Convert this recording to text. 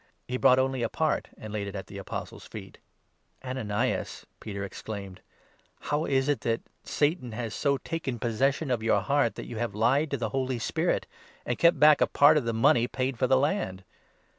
He brought only a part and laid it at the Apostles' feet. "Ananias," Peter exclaimed, "how is it that Satan has so 3 taken possession of your heart that you have lied to the Holy Spirit, and kept back a part of the money paid for the land